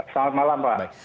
selamat malam pak